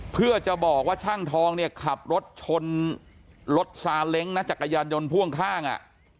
เพื่อจะบอกว่าช่างทองเนี่ยขับรถชนรถซาเล้งนะจักรยานยนต์พ่วงข้างอ่ะ